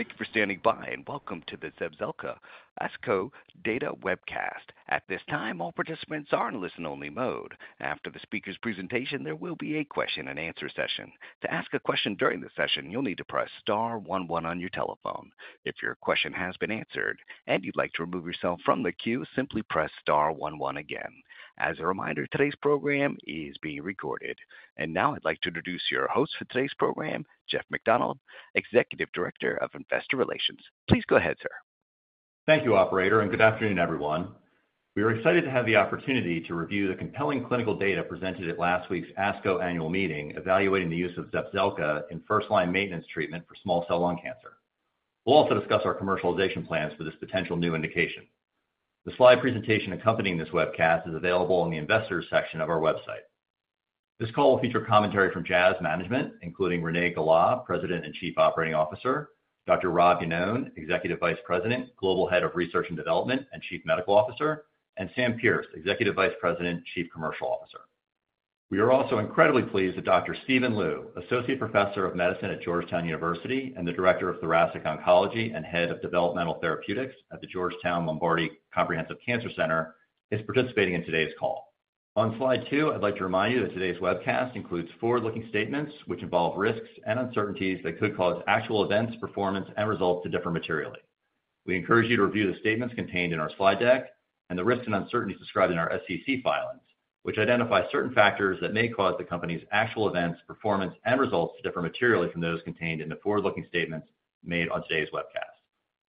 Thank you for standing by and welcome to the Zepzelca ASCO Data Webcast. At this time, all participants are in listen-only mode. After the speaker's presentation, there will be a question-and-answer session. To ask a question during the session, you'll need to press star one one on your telephone. If your question has been answered and you'd like to remove yourself from the queue, simply press star one one again. As a reminder, today's program is being recorded. Now I'd like to introduce your host for today's program, Jeff Macdonald, Executive Director of Investor Relations. Please go ahead, sir. Thank you, Operator, and good afternoon, everyone. We are excited to have the opportunity to review the compelling clinical data presented at last week's ASCO annual meeting evaluating the use of Zepzelca in first-line maintenance treatment for small cell lung cancer. We'll also discuss our commercialization plans for this potential new indication. The slide presentation accompanying this webcast is available in the investors' section of our website. This call will feature commentary from Jazz Management, including Renee Gala, President and Chief Operating Officer; Dr. Rob Iannone, Executive Vice President, Global Head of Research and Development and Chief Medical Officer; and Sam Pearce, Executive Vice President, Chief Commercial Officer. We are also incredibly pleased that Dr. Stephen Liu, Associate Professor of Medicine at Georgetown University and the Director of Thoracic Oncology and Head of Developmental Therapeutics at the Georgetown Lombardi Comprehensive Cancer Center, is participating in today's call. On slide two, I'd like to remind you that today's webcast includes forward-looking statements which involve risks and uncertainties that could cause actual events, performance, and results to differ materially. We encourage you to review the statements contained in our slide deck and the risks and uncertainties described in our SEC filings, which identify certain factors that may cause the company's actual events, performance, and results to differ materially from those contained in the forward-looking statements made on today's webcast.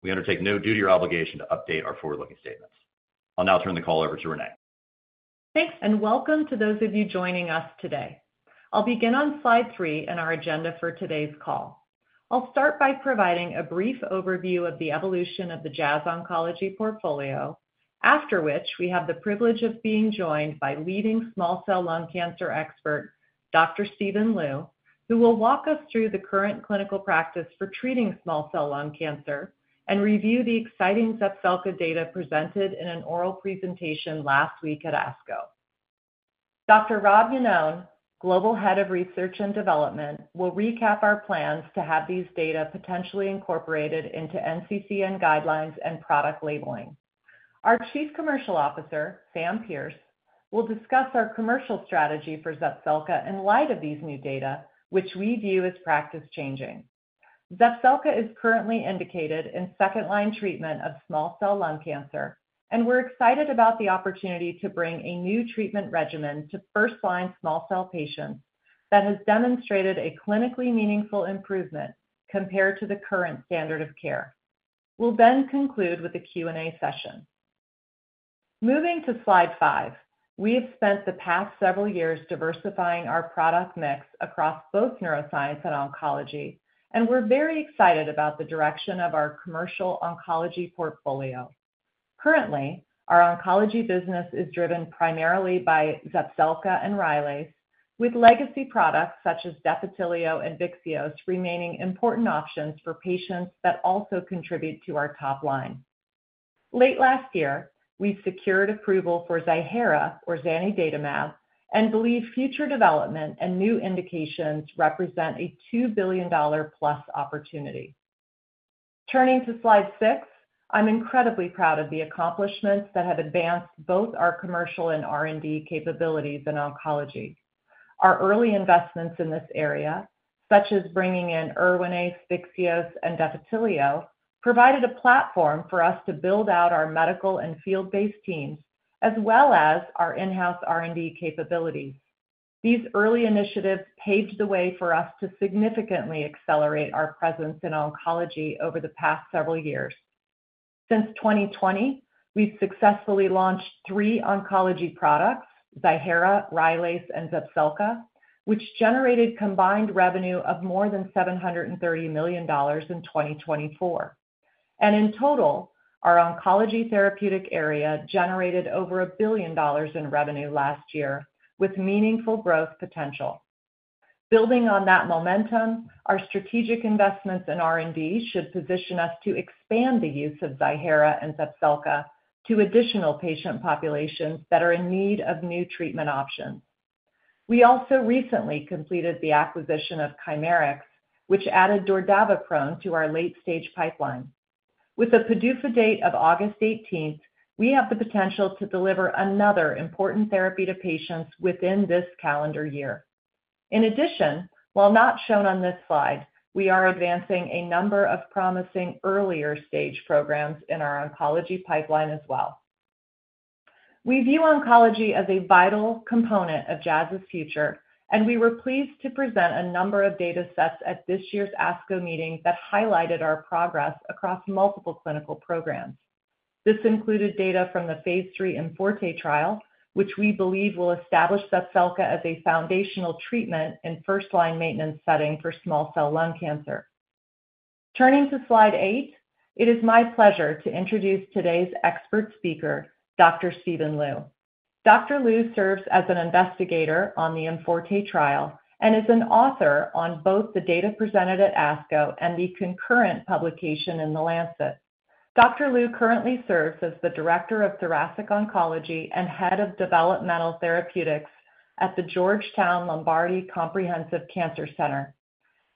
We undertake no duty or obligation to update our forward-looking statements. I'll now turn the call over to Renee. Thanks, and welcome to those of you joining us today. I'll begin on slide three in our agenda for today's call. I'll start by providing a brief overview of the evolution of the Jazz Oncology portfolio, after which we have the privilege of being joined by leading small cell lung cancer expert, Dr. Stephen Liu, who will walk us through the current clinical practice for treating small cell lung cancer and review the exciting Zepzelca data presented in an oral presentation last week at ASCO. Dr. Rob Iannone, Global Head of Research and Development, will recap our plans to have these data potentially incorporated into NCCN guidelines and product labeling. Our Chief Commercial Officer, Sam Pearce, will discuss our commercial strategy for Zepzelca in light of these new data, which we view as practice-changing. Zepzelca is currently indicated in second-line treatment of small cell lung cancer, and we're excited about the opportunity to bring a new treatment regimen to first-line small cell patients that has demonstrated a clinically meaningful improvement compared to the current standard of care. We'll then conclude with a Q&A session. Moving to slide five, we have spent the past several years diversifying our product mix across both neuroscience and oncology, and we're very excited about the direction of our commercial oncology portfolio. Currently, our oncology business is driven primarily by Zepzelca and Rylaze, with legacy products such as Defitelio and Vyxeos remaining important options for patients that also contribute to our top line. Late last year, we secured approval for Ziihera or Zanidatamab, and believe future development and new indications represent a $2 billion-plus opportunity. Turning to slide six, I'm incredibly proud of the accomplishments that have advanced both our commercial and R&D capabilities in oncology. Our early investments in this area, such as bringing in Erwinaze, Vyxeos, and Defitelio, provided a platform for us to build out our medical and field-based teams as well as our in-house R&D capabilities. These early initiatives paved the way for us to significantly accelerate our presence in oncology over the past several years. Since 2020, we've successfully launched three oncology products, Ziihera, Rylaze, and Zepzelca, which generated combined revenue of more than $730 million in 2024. In total, our oncology therapeutic area generated over $1 billion in revenue last year, with meaningful growth potential. Building on that momentum, our strategic investments in R&D should position us to expand the use of Ziihera and Zepzelca to additional patient populations that are in need of new treatment options. We also recently completed the acquisition of Chimerix, which added dordaviprone to our late-stage pipeline. With a PDUFA date of August 18th, we have the potential to deliver another important therapy to patients within this calendar year. In addition, while not shown on this slide, we are advancing a number of promising earlier-stage programs in our oncology pipeline as well. We view oncology as a vital component of Jazz's future, and we were pleased to present a number of data sets at this year's ASCO annual meeting that highlighted our progress across multiple clinical programs. This included data from the phase III IMforte trial, which we believe will establish Zepzelca as a foundational treatment in the first-line maintenance setting for small cell lung cancer. Turning to slide eight, it is my pleasure to introduce today's expert speaker, Dr. Stephen Liu. Dr. Liu serves as an investigator on the IMforte trial and is an author on both the data presented at ASCO and the concurrent publication in The Lancet. Dr. Liu currently serves as the Director of Thoracic Oncology and Head of Developmental Therapeutics at the Georgetown Lombardi Comprehensive Cancer Center.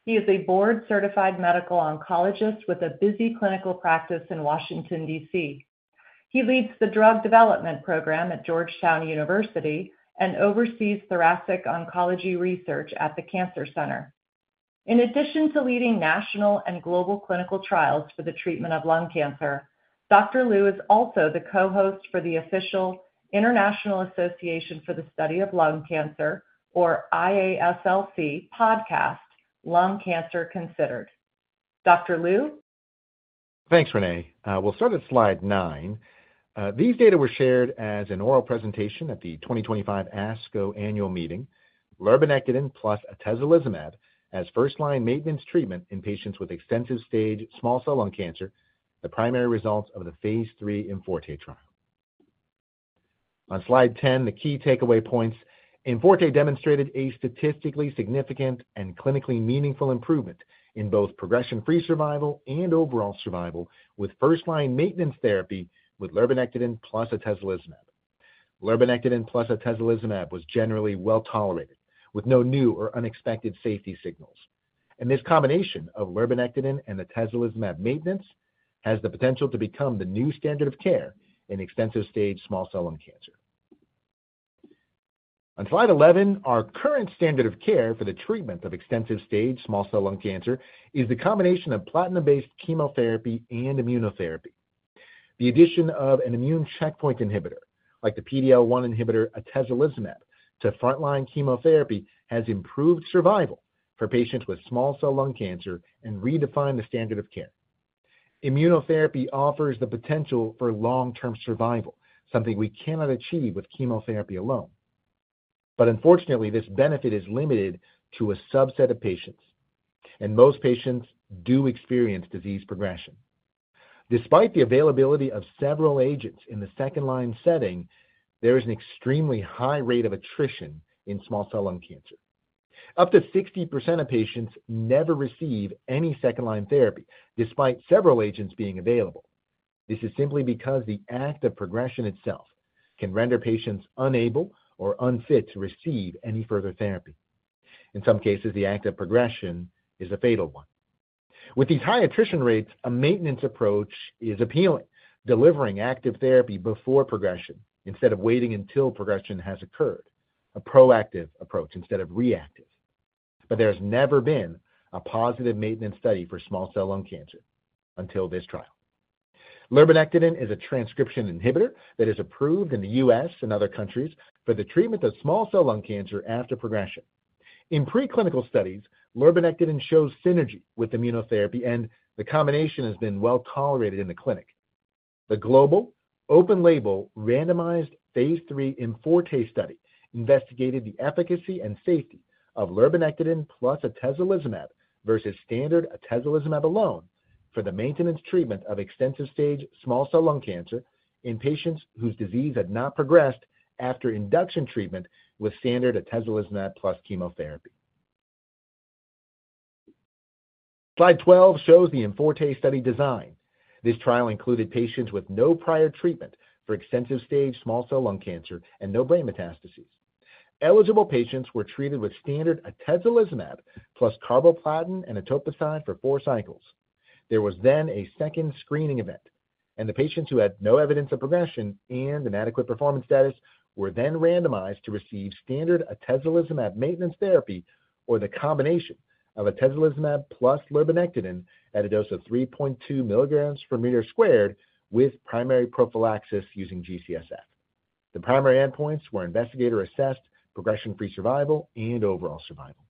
He is a board-certified medical oncologist with a busy clinical practice in Washington, D.C. He leads the drug development program at Georgetown University and oversees thoracic oncology research at the Cancer Center. In addition to leading national and global clinical trials for the treatment of lung cancer, Dr. Liu is also the co-host for the official International Association for the Study of Lung Cancer, or IASLC, podcast, Lung Cancer Considered. Dr. Liu? Thanks, Renee. We'll start at slide nine. These data were shared as an oral presentation at the 2025 ASCO annual meeting. Lurbinectedin plus atezolizumab as first-line maintenance treatment in patients with extensive-stage small cell lung cancer are the primary results of the phase III IMforte trial. On slide 10, the key takeaway points: IMforte demonstrated a statistically significant and clinically meaningful improvement in both progression-free survival and overall survival with first-line maintenance therapy with lurbinectedin plus atezolizumab. Lurbinectedin plus atezolizumab was generally well tolerated, with no new or unexpected safety signals. This combination of lurbinectedin and atezolizumab maintenance has the potential to become the new standard of care in extensive-stage small cell lung cancer. On slide 11, our current standard of care for the treatment of extensive-stage small cell lung cancer is the combination of platinum-based chemotherapy and immunotherapy. The addition of an immune checkpoint inhibitor, like the PD-L1 inhibitor atezolizumab, to front-line chemotherapy has improved survival for patients with small cell lung cancer and redefined the standard of care. Immunotherapy offers the potential for long-term survival, something we cannot achieve with chemotherapy alone. Unfortunately, this benefit is limited to a subset of patients, and most patients do experience disease progression. Despite the availability of several agents in the second-line setting, there is an extremely high rate of attrition in small cell lung cancer. Up to 60% of patients never receive any second-line therapy despite several agents being available. This is simply because the act of progression itself can render patients unable or unfit to receive any further therapy. In some cases, the act of progression is a fatal one. With these high attrition rates, a maintenance approach is appealing, delivering active therapy before progression instead of waiting until progression has occurred, a proactive approach instead of reactive. There has never been a positive maintenance study for small cell lung cancer until this trial. Lurbinectedin is a transcription inhibitor that is approved in the U.S. and other countries for the treatment of small cell lung cancer after progression. In preclinical studies, lurbinectedin shows synergy with immunotherapy, and the combination has been well tolerated in the clinic. The global open-label randomized phase III IMforte study investigated the efficacy and safety of lurbinectedin plus atezolizumab versus standard atezolizumab alone for the maintenance treatment of extensive-stage small cell lung cancer in patients whose disease had not progressed after induction treatment with standard atezolizumab plus chemotherapy. Slide 12 shows the IMforte study design. This trial included patients with no prior treatment for extensive-stage small cell lung cancer and no brain metastases. Eligible patients were treated with standard atezolizumab plus carboplatin and etoposide for four cycles. There was then a second screening event, and the patients who had no evidence of progression and an adequate performance status were then randomized to receive standard atezolizumab maintenance therapy or the combination of atezolizumab plus lurbinectedin at a dose of 3.2 milligrams per meter squared with primary prophylaxis using G-CSF. The primary endpoints were investigator-assessed progression-free survival and overall survival.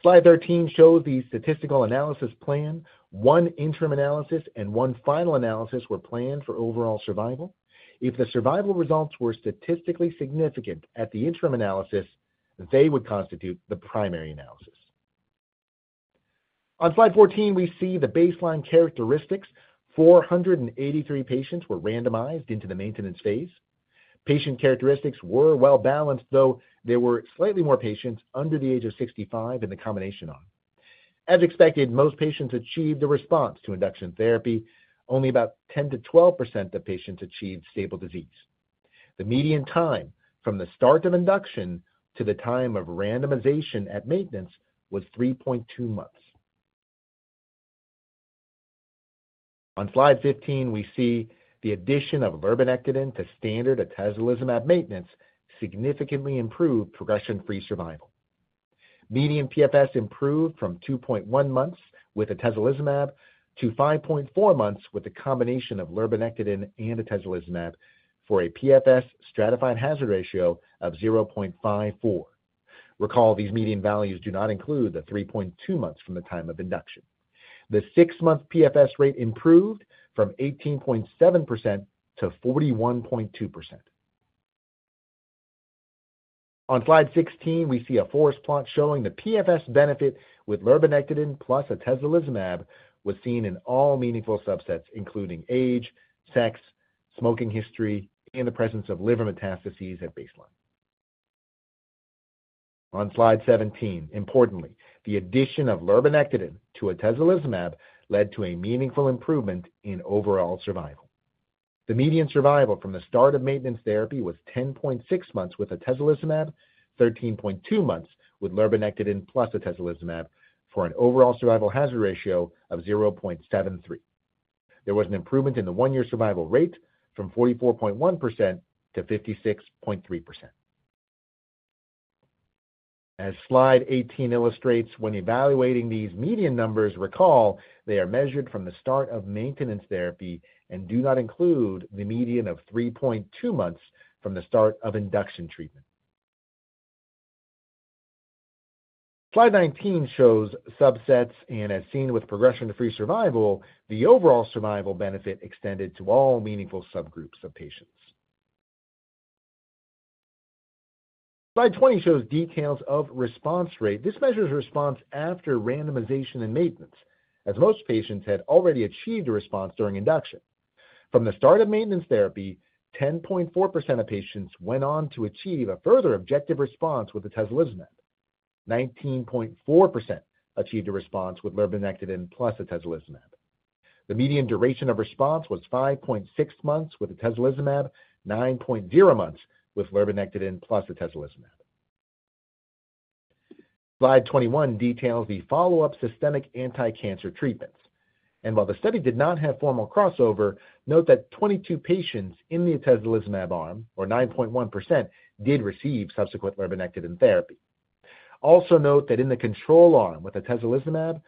Slide 13 shows the statistical analysis plan. One interim analysis and one final analysis were planned for overall survival. If the survival results were statistically significant at the interim analysis, they would constitute the primary analysis. On slide 14, we see the baseline characteristics. 483 patients were randomized into the maintenance phase. Patient characteristics were well balanced, though there were slightly more patients under the age of 65 in the combination arm. As expected, most patients achieved a response to induction therapy. Only about 10%-12% of patients achieved stable disease. The median time from the start of induction to the time of randomization at maintenance was 3.2 months. On slide 15, we see the addition of lurbinectedin to standard atezolizumab maintenance significantly improved progression-free survival. Median PFS improved from 2.1 months with atezolizumab to 5.4 months with the combination of lurbinectedin and atezolizumab for a PFS stratified hazard ratio of 0.54. Recall, these median values do not include the 3.2 months from the time of induction. The six-month PFS rate improved from 18.7% to 41.2%. On slide 16, we see a forest plot showing the PFS benefit with lurbinectedin plus atezolizumab was seen in all meaningful subsets, including age, sex, smoking history, and the presence of liver metastases at baseline. On slide 17, importantly, the addition of lurbinectedin to atezolizumab led to a meaningful improvement in overall survival. The median survival from the start of maintenance therapy was 10.6 months with atezolizumab, 13.2 months with lurbinectedin plus atezolizumab for an overall survival hazard ratio of 0.73. There was an improvement in the one-year survival rate from 44.1% to 56.3%. As slide 18 illustrates, when evaluating these median numbers, recall, they are measured from the start of maintenance therapy and do not include the median of 3.2 months from the start of induction treatment. Slide 19 shows subsets, and as seen with progression-free survival, the overall survival benefit extended to all meaningful subgroups of patients. Slide 20 shows details of response rate. This measures response after randomization and maintenance, as most patients had already achieved a response during induction. From the start of maintenance therapy, 10.4% of patients went on to achieve a further objective response with atezolizumab. 19.4% achieved a response with lurbinectedin plus atezolizumab. The median duration of response was 5.6 months with atezolizumab, 9.0 months with lurbinectedin plus atezolizumab. Slide 21 details the follow-up systemic anti-cancer treatments. While the study did not have formal crossover, note that 22 patients in the atezolizumab arm, or 9.1%, did receive subsequent lurbinectedin therapy. Also note that in the control arm with atezolizumab,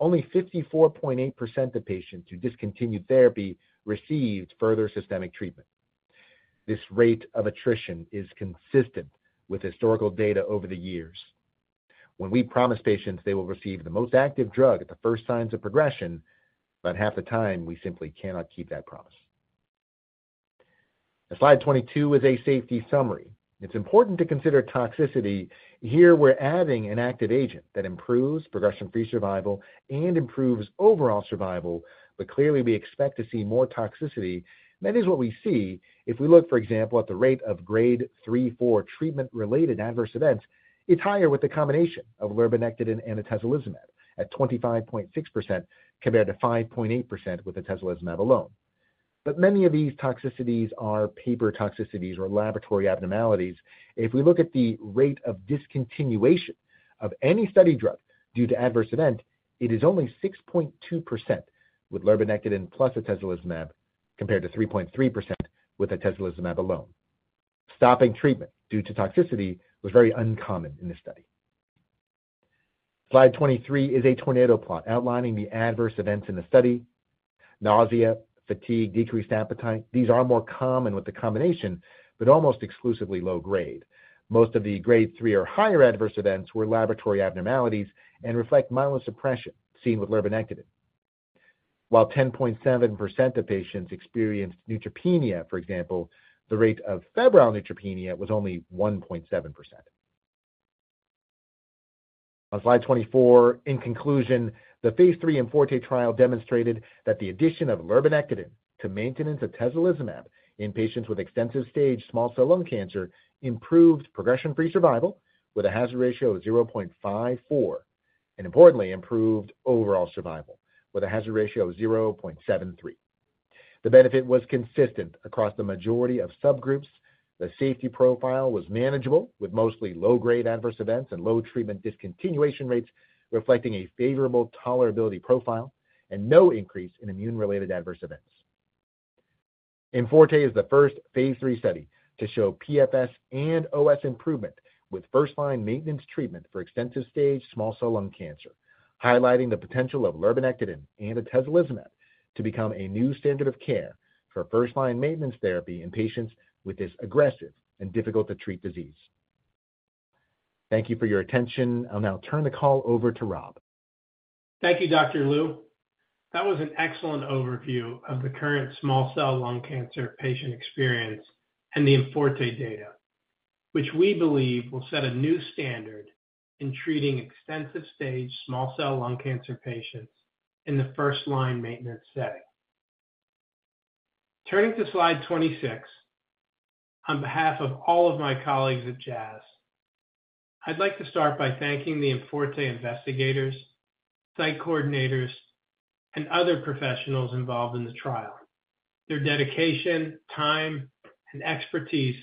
only 54.8% of patients who discontinued therapy received further systemic treatment. This rate of attrition is consistent with historical data over the years. When we promise patients they will receive the most active drug at the first signs of progression, about half the time we simply cannot keep that promise. Slide 22 is a safety summary. It's important to consider toxicity. Here, we're adding an active agent that improves progression-free survival and improves overall survival, but clearly we expect to see more toxicity. That is what we see if we look, for example, at the rate of grade 3-4 treatment-related adverse events. It's higher with the combination of lurbinectedin and atezolizumab at 25.6% compared to 5.8% with atezolizumab alone. Many of these toxicities are paper toxicities or laboratory abnormalities. If we look at the rate of discontinuation of any study drug due to adverse event, it is only 6.2% with lurbinectedin plus atezolizumab compared to 3.3% with atezolizumab alone. Stopping treatment due to toxicity was very uncommon in this study. Slide 23 is a tornado plot outlining the adverse events in the study: nausea, fatigue, decreased appetite. These are more common with the combination, but almost exclusively low-grade. Most of the grade 3 or higher adverse events were laboratory abnormalities and reflect myelosuppression seen with lurbinectedin. While 10.7% of patients experienced neutropenia, for example, the rate of febrile neutropenia was only 1.7%. On slide 24, in conclusion, the phase III IMforte trial demonstrated that the addition of lurbinectedin to maintenance atezolizumab in patients with extensive-stage small cell lung cancer improved progression-free survival with a hazard ratio of 0.54, and importantly, improved overall survival with a hazard ratio of 0.73. The benefit was consistent across the majority of subgroups. The safety profile was manageable with mostly low-grade adverse events and low treatment discontinuation rates reflecting a favorable tolerability profile and no increase in immune-related adverse events. IMforte is the first phase III study to show PFS and OS improvement with first-line maintenance treatment for extensive-stage small cell lung cancer, highlighting the potential of lurbinectedin and atezolizumab to become a new standard of care for first-line maintenance therapy in patients with this aggressive and difficult-to-treat disease. Thank you for your attention. I'll now turn the call over to Rob. Thank you, Dr. Liu. That was an excellent overview of the current small cell lung cancer patient experience and the IMforte data, which we believe will set a new standard in treating extensive-stage small cell lung cancer patients in the first-line maintenance setting. Turning to slide 26, on behalf of all of my colleagues at Jazz, I'd like to start by thanking the IMforte investigators, site coordinators, and other professionals involved in the trial. Their dedication, time, and expertise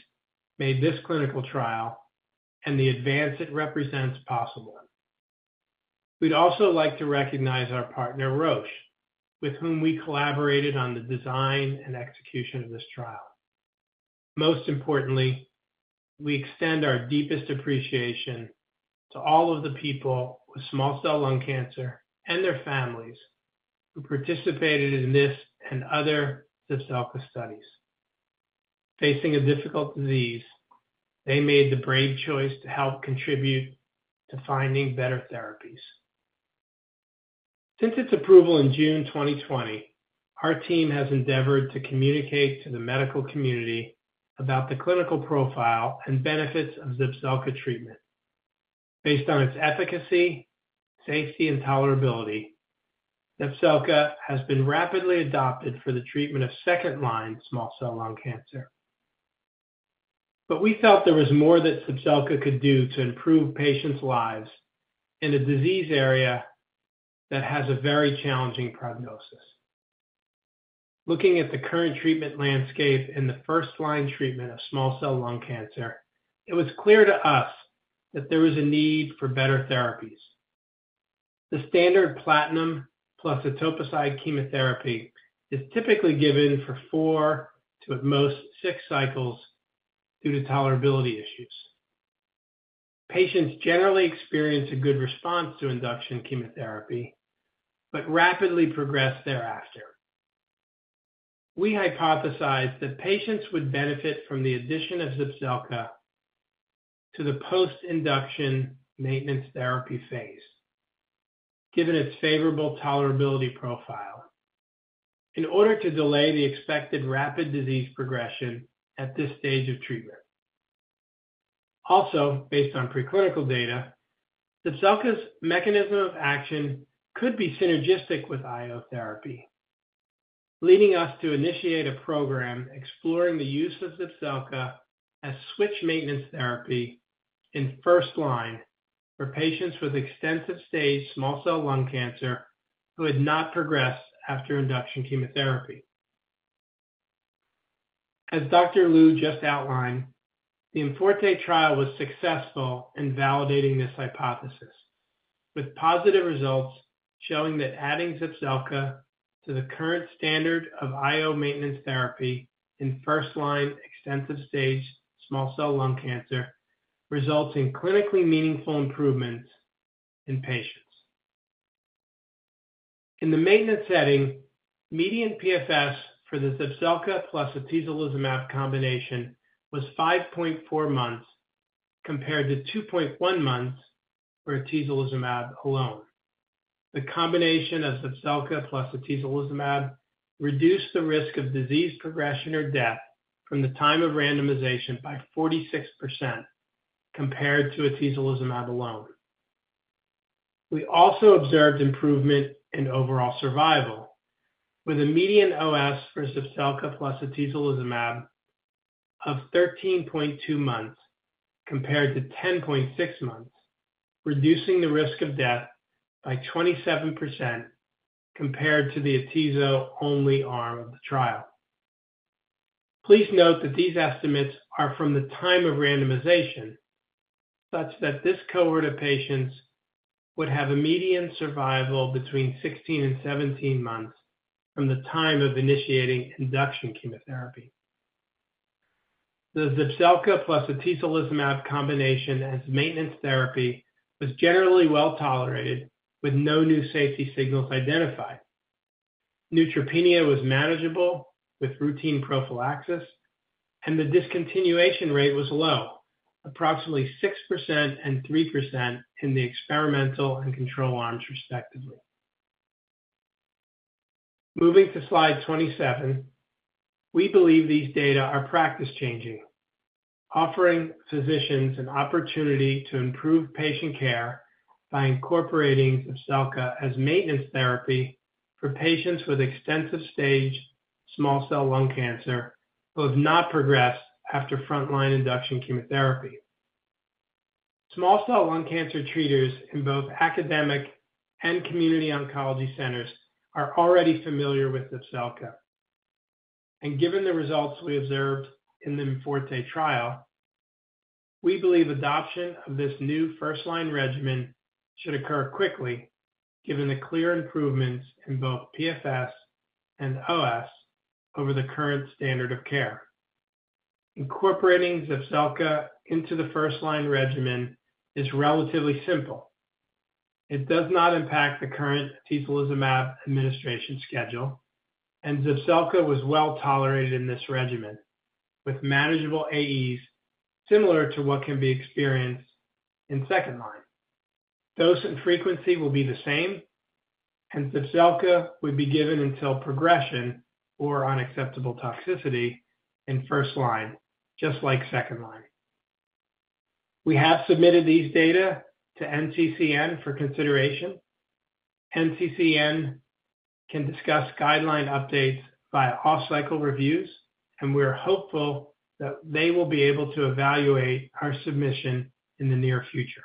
made this clinical trial and the advance it represents possible. We'd also like to recognize our partner, Roche, with whom we collaborated on the design and execution of this trial. Most importantly, we extend our deepest appreciation to all of the people with small cell lung cancer and their families who participated in this and other Zepzelca studies. Facing a difficult disease, they made the brave choice to help contribute to finding better therapies. Since its approval in June 2020, our team has endeavored to communicate to the medical community about the clinical profile and benefits of Zepzelca treatment. Based on its efficacy, safety, and tolerability, Zepzelca has been rapidly adopted for the treatment of second-line small cell lung cancer. We felt there was more that Zepzelca could do to improve patients' lives in a disease area that has a very challenging prognosis. Looking at the current treatment landscape in the first-line treatment of small cell lung cancer, it was clear to us that there was a need for better therapies. The standard platinum plus etoposide chemotherapy is typically given for four to at most six cycles due to tolerability issues. Patients generally experience a good response to induction chemotherapy but rapidly progress thereafter. We hypothesized that patients would benefit from the addition of Zepzelca to the post-induction maintenance therapy phase, given its favorable tolerability profile, in order to delay the expected rapid disease progression at this stage of treatment. Also, based on preclinical data, Zepzelca's mechanism of action could be synergistic with IO therapy, leading us to initiate a program exploring the use of Zepzelca as switch maintenance therapy in first-line for patients with extensive-stage small cell lung cancer who had not progressed after induction chemotherapy. As Dr. Liu just outlined, the IMforte trial was successful in validating this hypothesis, with positive results showing that adding Zepzelca to the current standard of IO maintenance therapy in first-line extensive-stage small cell lung cancer results in clinically meaningful improvements in patients. In the maintenance setting, median PFS for the Zepzelca plus atezolizumab combination was 5.4 months compared to 2.1 months for atezolizumab alone. The combination of Zepzelca plus atezolizumab reduced the risk of disease progression or death from the time of randomization by 46% compared to atezolizumab alone. We also observed improvement in overall survival with a median OS for Zepzelca plus atezolizumab of 13.2 months compared to 10.6 months, reducing the risk of death by 27% compared to the atezo only arm of the trial. Please note that these estimates are from the time of randomization, such that this cohort of patients would have a median survival between 16 and 17 months from the time of initiating induction chemotherapy. The Zepzelca plus atezolizumab combination as maintenance therapy was generally well tolerated with no new safety signals identified. Neutropenia was manageable with routine prophylaxis, and the discontinuation rate was low, approximately 6% and 3% in the experimental and control arms, respectively. Moving to slide 27, we believe these data are practice-changing, offering physicians an opportunity to improve patient care by incorporating Zepzelca as maintenance therapy for patients with extensive-stage small cell lung cancer who have not progressed after front-line induction chemotherapy. Small cell lung cancer treaters in both academic and community oncology centers are already familiar with Zepzelca. Given the results we observed in the IMforte trial, we believe adoption of this new first-line regimen should occur quickly, given the clear improvements in both PFS and OS over the current standard of care. Incorporating Zepzelca into the first-line regimen is relatively simple. It does not impact the current atezolizumab administration schedule, and Zepzelca was well tolerated in this regimen with manageable AEs similar to what can be experienced in second-line. Dose and frequency will be the same, and Zepzelca would be given until progression or unacceptable toxicity in first-line, just like second-line. We have submitted these data to NCCN for consideration. NCCN can discuss guideline updates via off-cycle reviews, and we are hopeful that they will be able to evaluate our submission in the near future.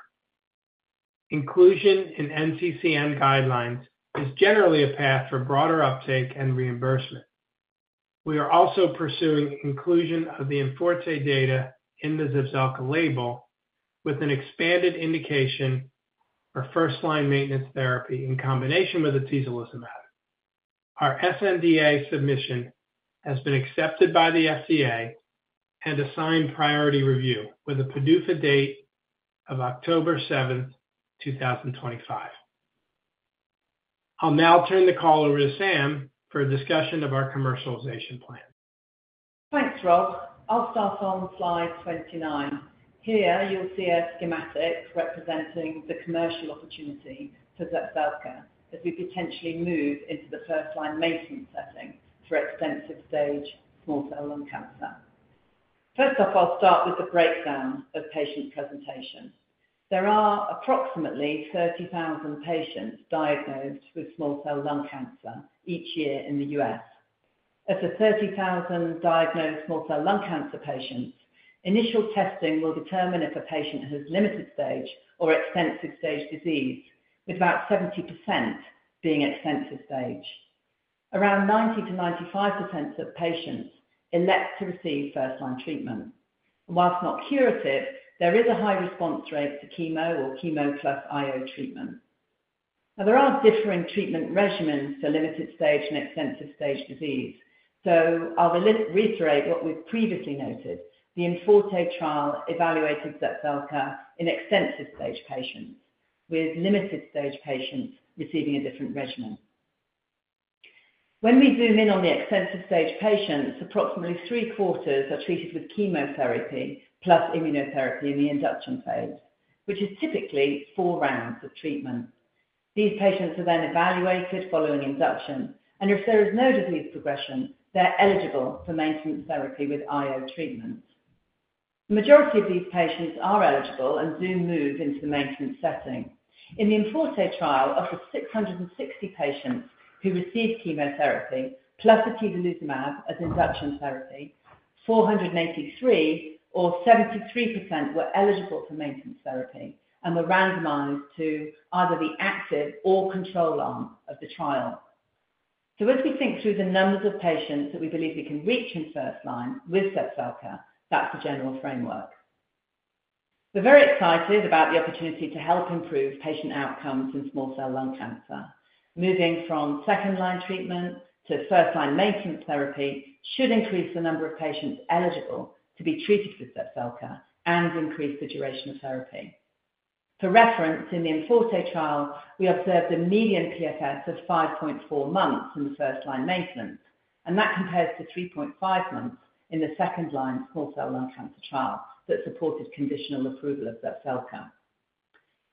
Inclusion in NCCN guidelines is generally a path for broader uptake and reimbursement. We are also pursuing inclusion of the IMforte data in the Zepzelca label with an expanded indication for first-line maintenance therapy in combination with atezolizumab. Our sNDA submission has been accepted by the FDA and assigned priority review with a PDUFA date of October 7th, 2025. I'll now turn the call over to Sam for a discussion of our commercialization plan. Thanks, Rob. I'll start on slide 29. Here you'll see a schematic representing the commercial opportunity for Zepzelca as we potentially move into the first-line maintenance setting for extensive-stage small cell lung cancer. First off, I'll start with the breakdown of patient presentation. There are approximately 30,000 patients diagnosed with small cell lung cancer each year in the U.S. Of the 30,000 diagnosed small cell lung cancer patients, initial testing will determine if a patient has limited-stage or extensive-stage disease, with about 70% being extensive-stage. Around 90%-95% of patients elect to receive first-line treatment. Whilst not curative, there is a high response rate to chemo or chemo plus IO treatment. Now, there are differing treatment regimens for limited-stage and extensive-stage disease. I’ll reiterate what we’ve previously noted. The IMforte trial evaluated Zepzelca in extensive-stage patients, with limited-stage patients receiving a different regimen. When we zoom in on the extensive-stage patients, approximately three-quarters are treated with chemotherapy plus immunotherapy in the induction phase, which is typically four rounds of treatment. These patients are then evaluated following induction, and if there is no disease progression, they're eligible for maintenance therapy with IO treatment. The majority of these patients are eligible and do move into the maintenance setting. In the IMforte trial, of the 660 patients who received chemotherapy plus atezolizumab as induction therapy, 483 or 73% were eligible for maintenance therapy and were randomized to either the active or control arm of the trial. As we think through the numbers of patients that we believe we can reach in first-line with Zepzelca, that's the general framework. We're very excited about the opportunity to help improve patient outcomes in small cell lung cancer. Moving from second-line treatment to first-line maintenance therapy should increase the number of patients eligible to be treated with Zepzelca and increase the duration of therapy. For reference, in the IMforte trial, we observed a median PFS of 5.4 months in the first-line maintenance, and that compares to 3.5 months in the second-line small cell lung cancer trial that supported conditional approval of Zepzelca.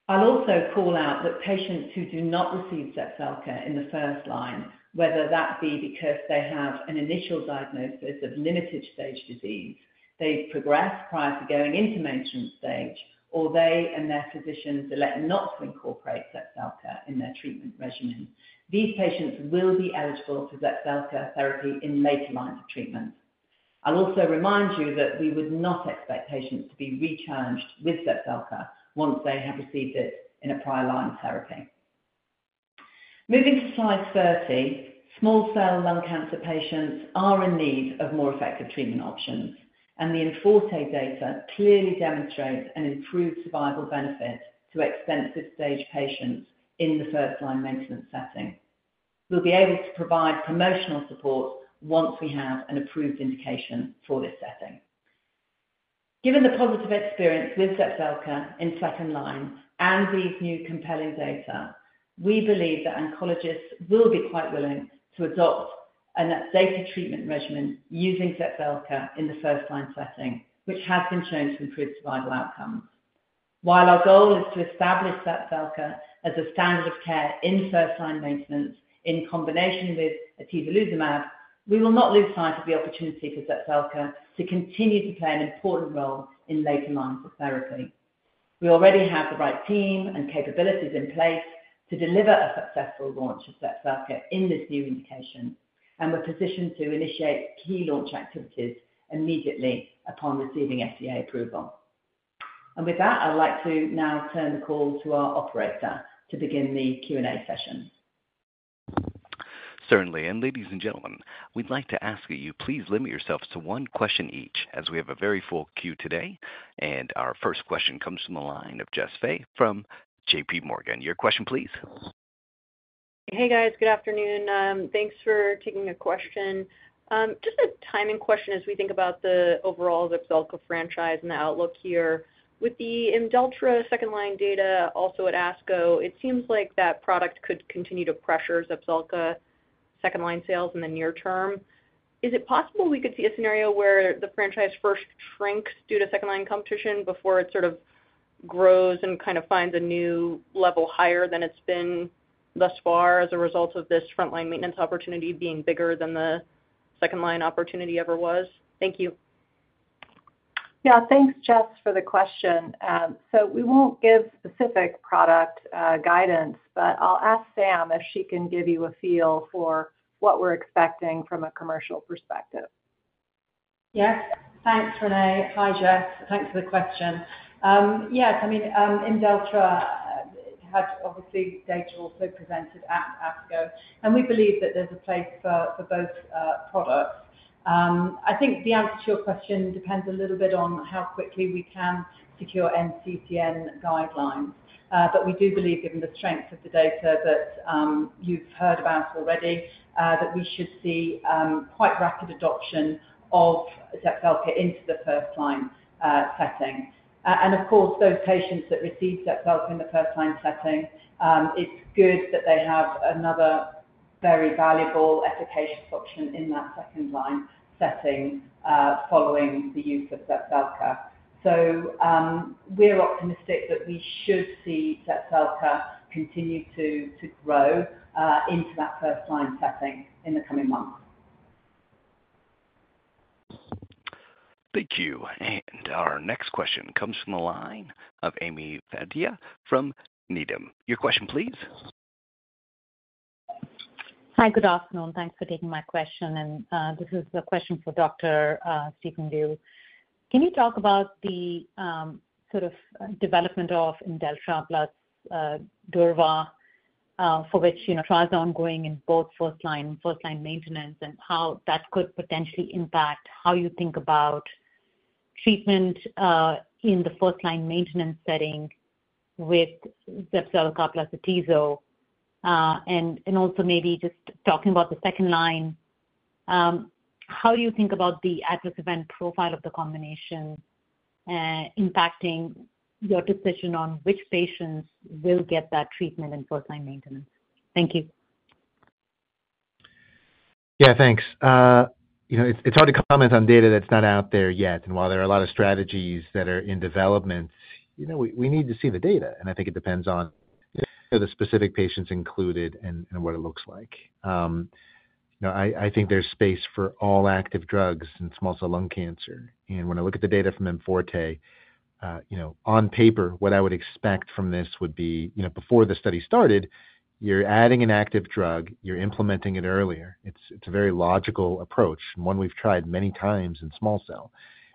I'll also call out that patients who do not receive Zepzelca in the first-line, whether that be because they have an initial diagnosis of limited-stage disease, they've progressed prior to going into maintenance stage, or they and their physicians elect not to incorporate Zepzelca in their treatment regimen, these patients will be eligible for Zepzelca therapy in later lines of treatment. I'll also remind you that we would not expect patients to be rechallenged with Zepzelca once they have received it in a prior line of therapy. Moving to slide 30, small cell lung cancer patients are in need of more effective treatment options, and the IMforte data clearly demonstrates an improved survival benefit to extensive-stage patients in the first-line maintenance setting. We'll be able to provide promotional support once we have an approved indication for this setting. Given the positive experience with Zepzelca in second-line and these new compelling data, we believe that oncologists will be quite willing to adopt a data treatment regimen using Zepzelca in the first-line setting, which has been shown to improve survival outcomes. While our goal is to establish Zepzelca as a standard of care in first-line maintenance in combination with atezolizumab, we will not lose sight of the opportunity for Zepzelca to continue to play an important role in later lines of therapy. We already have the right team and capabilities in place to deliver a successful launch of Zepzelca in this new indication, and we're positioned to initiate key launch activities immediately upon receiving FDA approval. With that, I'd like to now turn the call to our operator to begin the Q&A session. Certainly. Ladies and gentlemen, we'd like to ask you, please limit yourselves to one question each, as we have a very full queue today. Our first question comes from the line of Jess Fye from JPMorgan. Your question, please. Hey, guys. Good afternoon. Thanks for taking the question. Just a timing question as we think about the overall Zepzelca franchise and the outlook here. With the Imdelltra second-line data, also at ASCO, it seems like that product could continue to pressure Zepzelca second-line sales in the near term. Is it possible we could see a scenario where the franchise first shrinks due to second-line competition before it sort of grows and kind of finds a new level higher than it's been thus far as a result of this front-line maintenance opportunity being bigger than the second-line opportunity ever was? Thank you. Yeah. Thanks, Jess, for the question. We will not give specific product guidance, but I will ask Sam if she can give you a feel for what we are expecting from a commercial perspective. Yes. Thanks, Renee. Hi, Jess. Thanks for the question. Yes, I mean, Imdelltra had obviously data also presented at ASCO, and we believe that there's a place for both products. I think the answer to your question depends a little bit on how quickly we can secure NCCN guidelines. We do believe, given the strength of the data that you've heard about already, that we should see quite rapid adoption of Zepzelca into the first-line setting. Of course, those patients that receive Zepzelca in the first-line setting, it's good that they have another very valuable efficacious option in that second-line setting following the use of Zepzelca. We are optimistic that we should see Zepzelca continue to grow into that first-line setting in the coming months. Thank you. Our next question comes from the line of Ami Fadia from Needham. Your question, please. Hi. Good afternoon. Thanks for taking my question. This is a question for Dr. Stephen Liu. Can you talk about the sort of development of Imdelltra plus durva, for which trials are ongoing in both first-line and first-line maintenance, and how that could potentially impact how you think about treatment in the first-line maintenance setting with Zepzelca plus atezolizumab? Also, maybe just talking about the second-line, how do you think about the adverse event profile of the combination impacting your decision on which patients will get that treatment in first-line maintenance? Thank you. Yeah, thanks. It's hard to comment on data that's not out there yet. While there are a lot of strategies that are in development, we need to see the data. I think it depends on the specific patients included and what it looks like. I think there's space for all active drugs in small cell lung cancer. When I look at the data from IMforte, on paper, what I would expect from this would be, before the study started, you're adding an active drug, you're implementing it earlier. It's a very logical approach, one we've tried many times in small cell.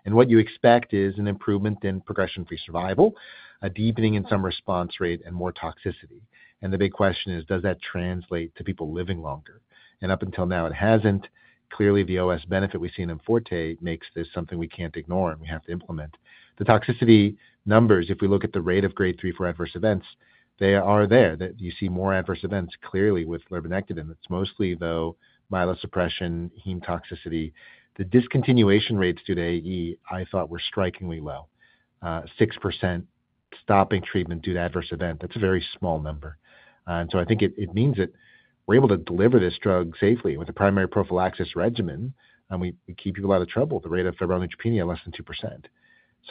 What you expect is an improvement in progression-free survival, a deepening in some response rate, and more toxicity. The big question is, does that translate to people living longer? Up until now, it hasn't. Clearly, the OS benefit we see in IMforte makes this something we can't ignore, and we have to implement. The toxicity numbers, if we look at the rate of grade 3 for adverse events, they are there. You see more adverse events clearly with lurbinectedin. It's mostly, though, myelosuppression, heme toxicity. The discontinuation rates today, I thought, were strikingly low. 6% stopping treatment due to adverse event. That's a very small number. I think it means that we're able to deliver this drug safely with a primary prophylaxis regimen, and we keep people out of trouble. The rate of febrile neutropenia is less than 2%.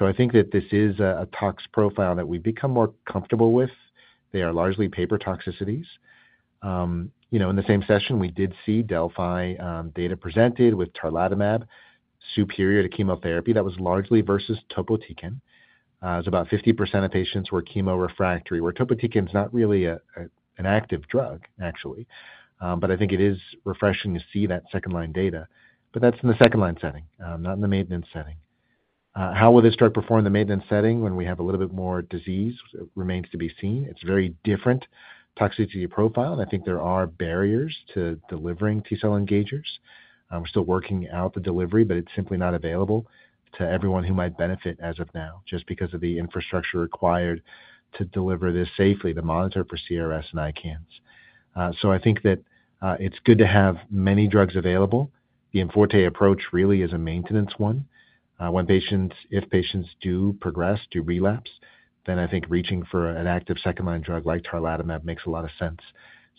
I think that this is a tox profile that we've become more comfortable with. They are largely paper toxicities. In the same session, we did see Delphi data presented with tarlatamab superior to chemotherapy. That was largely versus topotecan. It was about 50% of patients who were chemorefractory. Where topotecan is not really an active drug, actually. I think it is refreshing to see that second-line data. That is in the second-line setting, not in the maintenance setting. How will this drug perform in the maintenance setting when we have a little bit more disease? It remains to be seen. It is a very different toxicity profile, and I think there are barriers to delivering T-cell engagers. We are still working out the delivery, but it is simply not available to everyone who might benefit as of now, just because of the infrastructure required to deliver this safely, to monitor for CRS and ICANS. I think that it is good to have many drugs available. The IMforte approach really is a maintenance one. If patients do progress, do relapse, then I think reaching for an active second-line drug like tarlatamab makes a lot of sense.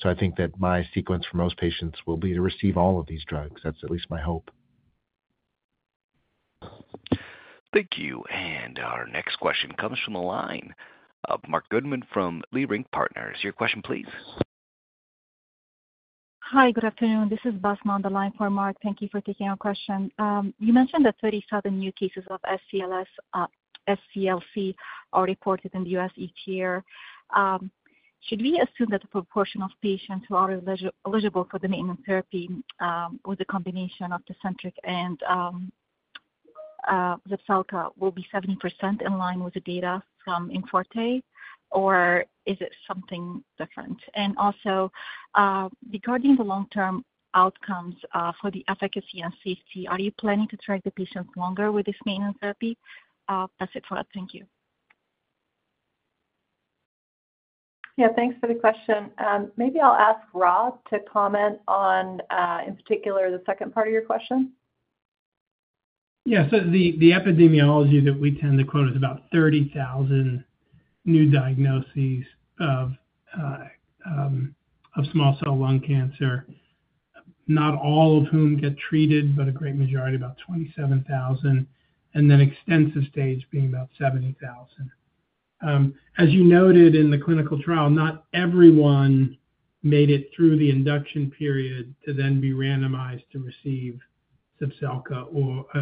I think that my sequence for most patients will be to receive all of these drugs. That's at least my hope. Thank you. Our next question comes from the line of Marc Goodman from Leerink Partners. Your question, please. Hi. Good afternoon. This is Basma on the line for Marc. Thank you for taking our question. You mentioned that 37,000 new cases of SCLC are reported in the U.S. each year. Should we assume that the proportion of patients who are eligible for the maintenance therapy with the combination of Tecentriq and Zepzelca will be 70% in line with the data from IMforte, or is it something different? Also, regarding the long-term outcomes for the efficacy and safety, are you planning to track the patients longer with this maintenance therapy? That's it for us. Thank you. Yeah. Thanks for the question. Maybe I'll ask Rob to comment on, in particular, the second part of your question. Yeah. The epidemiology that we tend to quote is about 30,000 new diagnoses of small cell lung cancer, not all of whom get treated, but a great majority, about 27,000, and then extensive-stage being about 70,000. As you noted in the clinical trial, not everyone made it through the induction period to then be randomized to receive Zepzelca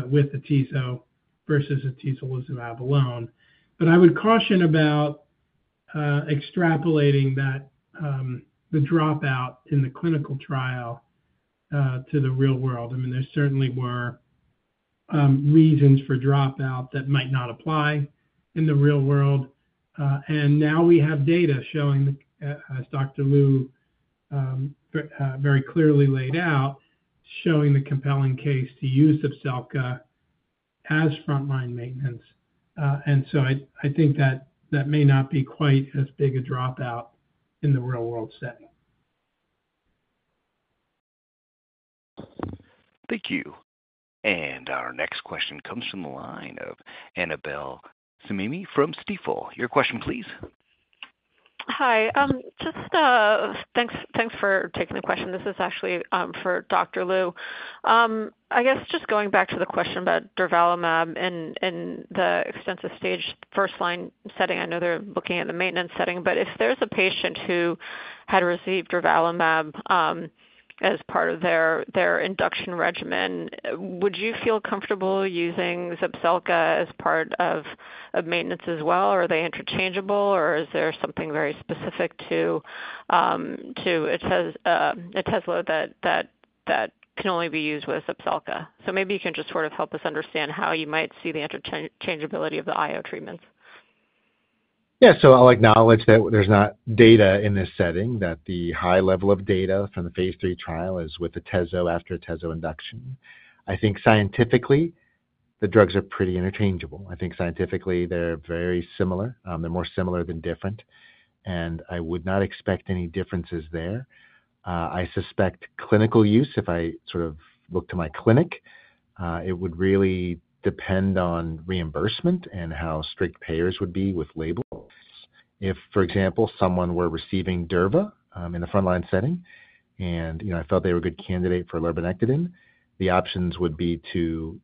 with atezo versus atezolizumab alone. I would caution about extrapolating the dropout in the clinical trial to the real world. I mean, there certainly were reasons for dropout that might not apply in the real world. Now we have data showing, as Dr. Liu very clearly laid out, showing the compelling case to use Zepzelca as front-line maintenance. I think that may not be quite as big a dropout in the real-world setting. Thank you. Our next question comes from the line of Annabel Samimy from Stifel. Your question, please. Hi. Just thanks for taking the question. This is actually for Dr. Liu. I guess just going back to the question about durvalumab and the extensive-stage first-line setting, I know they're looking at the maintenance setting. If there's a patient who had received durvalumab as part of their induction regimen, would you feel comfortable using Zepzelca as part of maintenance as well, or are they interchangeable, or is there something very specific to atezo that can only be used with Zepzelca? Maybe you can just sort of help us understand how you might see the interchangeability of the IO treatments. Yeah. I'll acknowledge that there's not data in this setting, that the high level of data from the phase III trial is with atezo after atezo induction. I think scientifically, the drugs are pretty interchangeable. I think scientifically, they're very similar. They're more similar than different. I would not expect any differences there. I suspect clinical use, if I sort of look to my clinic, it would really depend on reimbursement and how strict payers would be with labels. If, for example, someone were receiving Durva in the front-line setting and I felt they were a good candidate for lurbinectedin, the options would be to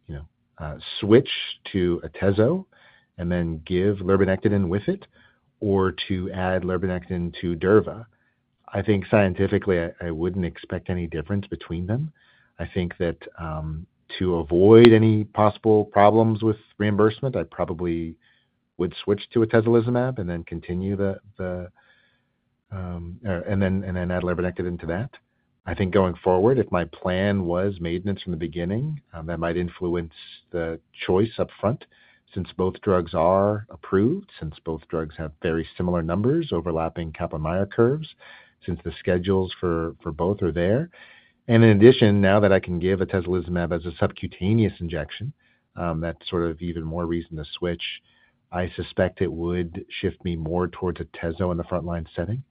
switch to atezo and then give lurbinectedin with it or to add lurbinectedin to durva. I think scientifically, I wouldn't expect any difference between them. I think that to avoid any possible problems with reimbursement, I probably would switch to atezolizumab and then continue and then add lurbinectedin to that. I think going forward, if my plan was maintenance from the beginning, that might influence the choice upfront since both drugs are approved, since both drugs have very similar numbers, overlapping Kaplan-Meier curves, since the schedules for both are there. In addition, now that I can give Atezolizumab as a subcutaneous injection, that's sort of even more reason to switch. I suspect it would shift me more towards Atezo in the front-line setting.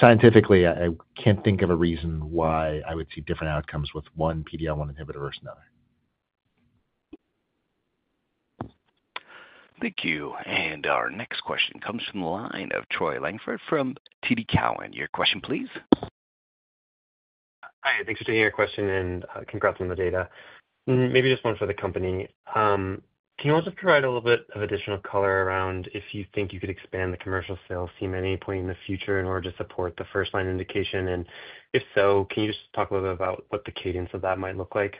Scientifically, I can't think of a reason why I would see different outcomes with one PD-L1 inhibitor versus another. Thank you. Our next question comes from the line of Troy Langford from TD Cowen. Your question, please. Hi. Thanks for taking our question and congrats on the data. Maybe just one for the company. Can you also provide a little bit of additional color around if you think you could expand the commercial sales team at any point in the future in order to support the first-line indication? If so, can you just talk a little bit about what the cadence of that might look like?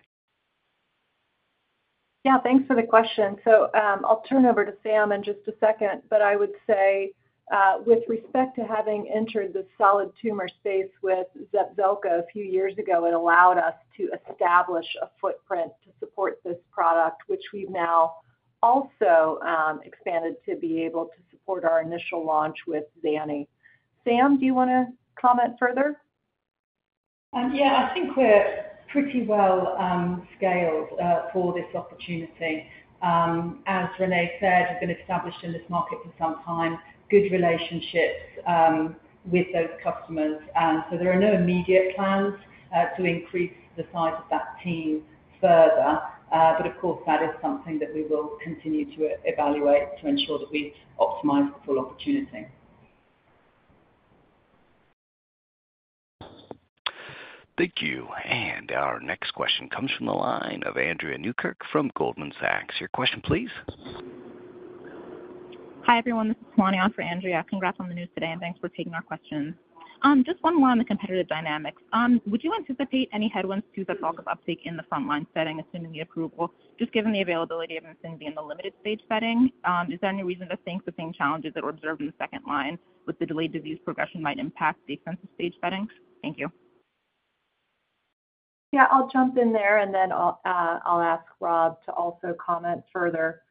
Yeah. Thanks for the question. I'll turn over to Sam in just a second. I would say with respect to having entered the solid tumor space with Zepzelca a few years ago, it allowed us to establish a footprint to support this product, which we've now also expanded to be able to support our initial launch with Zani. Sam, do you want to comment further? Yeah. I think we're pretty well scaled for this opportunity. As Renee said, we've been established in this market for some time, good relationships with those customers. There are no immediate plans to increase the size of that team further. Of course, that is something that we will continue to evaluate to ensure that we've optimized the full opportunity. Thank you. Our next question comes from the line of Andrea Flynn from Goldman Sachs. Your question, please. Hi, everyone. This is Moniart for Andrea. Congrats on the news today, and thanks for taking our question. Just one more on the competitive dynamics. Would you anticipate any headwinds to Zepzelca's uptake in the front-line setting, assuming the approval, just given the availability of insulin being the limited stage setting? Is there any reason to think the same challenges that were observed in the second line with the delayed disease progression might impact the extensive stage setting? Thank you. Yeah. I'll jump in there, and then I'll ask Rob to also comment further.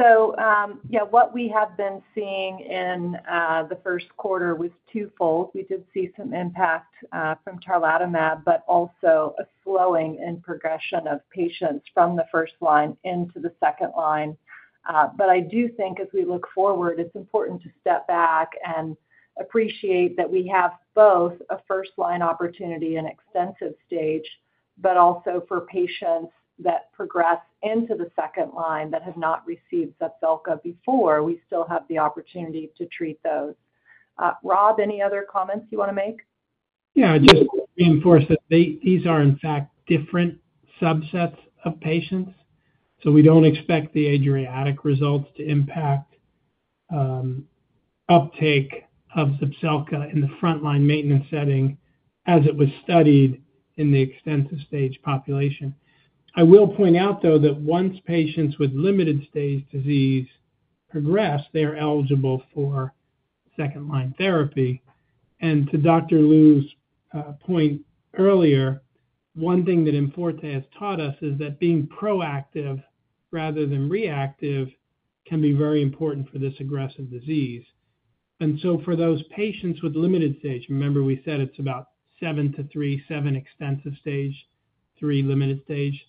Yeah, what we have been seeing in the first quarter was twofold. We did see some impact from tarlatamab, but also a slowing in progression of patients from the first line into the second line. I do think as we look forward, it's important to step back and appreciate that we have both a first-line opportunity in extensive stage, but also for patients that progress into the second line that have not received Zepzelca before, we still have the opportunity to treat those. Rob, any other comments you want to make? Yeah. Just reinforce that these are, in fact, different subsets of patients. We do not expect the Adriatic results to impact uptake of Zepzelca in the front-line maintenance setting as it was studied in the extensive-stage population. I will point out, though, that once patients with limited-stage disease progress, they are eligible for second-line therapy. To Dr. Liu's point earlier, one thing that IMforte has taught us is that being proactive rather than reactive can be very important for this aggressive disease. For those patients with limited stage, remember we said it is about 7 to 3, 7 extensive stage, 3 limited stage.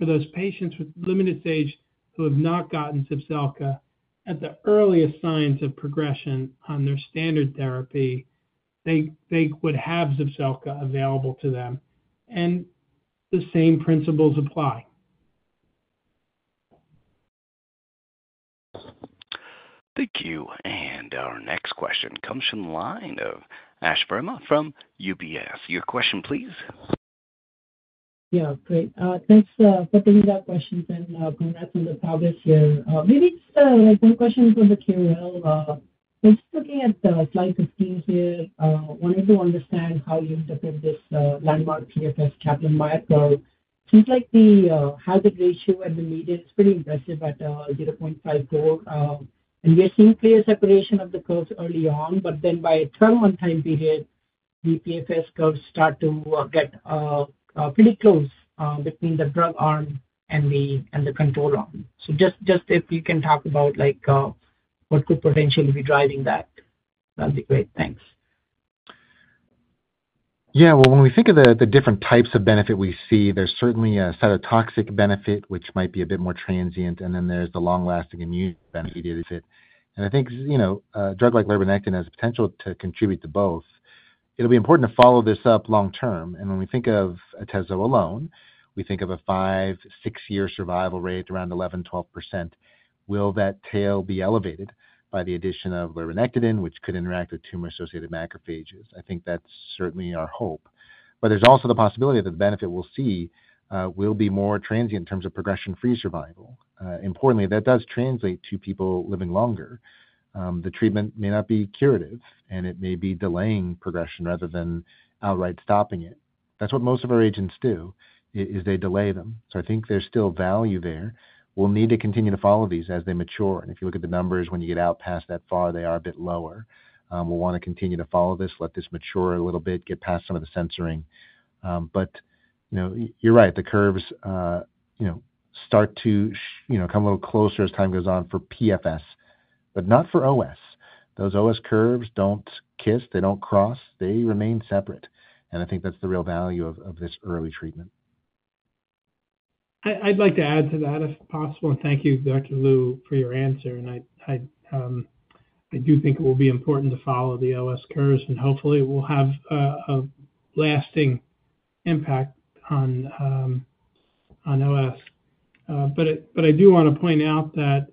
For those patients with limited stage who have not gotten Zepzelca at the earliest signs of progression on their standard therapy, they would have Zepzelca available to them. The same principles apply. Thank you. Our next question comes from the line of Ash Verma from UBS. Your question, please. Yeah. Great. Thanks for bringing that question and congrats on the progress here. Maybe just one question for the Q&L. Just looking at the slides of the team here, wanted to understand how you interpret this landmark PFS Kaplan-Meier curve. Seems like the hazard ratio at the median is pretty impressive at 0.54. We're seeing clear separation of the curves early on. By a 12-month time period, the PFS curves start to get pretty close between the drug arm and the control arm. If you can talk about what could potentially be driving that, that'd be great. Thanks. Yeah. When we think of the different types of benefit we see, there's certainly a cytotoxic benefit, which might be a bit more transient. And then there's the long-lasting immune benefit. I think a drug like lurbinectedin has the potential to contribute to both. It'll be important to follow this up long-term. When we think of atezo alone, we think of a 5-6 year survival rate around 11%-12%. Will that tail be elevated by the addition of lurbinectedin, which could interact with tumor-associated macrophages? I think that's certainly our hope. There's also the possibility that the benefit we'll see will be more transient in terms of progression-free survival. Importantly, that does translate to people living longer. The treatment may not be curative, and it may be delaying progression rather than outright stopping it. That's what most of our agents do, is they delay them. I think there's still value there. We'll need to continue to follow these as they mature. If you look at the numbers, when you get out past that far, they are a bit lower. We'll want to continue to follow this, let this mature a little bit, get past some of the censoring. You're right. The curves start to come a little closer as time goes on for PFS, not for OS. Those OS curves do not kiss. They do not cross. They remain separate. I think that's the real value of this early treatment. I'd like to add to that, if possible. Thank you, Dr. Liu, for your answer. I do think it will be important to follow the OS curves. Hopefully, it will have a lasting impact on OS. I do want to point out that,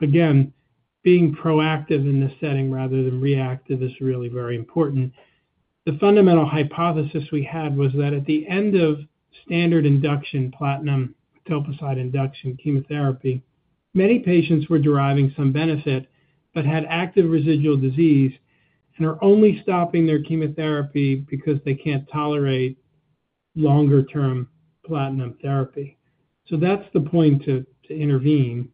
again, being proactive in this setting rather than reactive is really very important. The fundamental hypothesis we had was that at the end of standard induction platinum etoposide induction chemotherapy, many patients were deriving some benefit but had active residual disease and are only stopping their chemotherapy because they cannot tolerate longer-term platinum therapy. That is the point to intervene.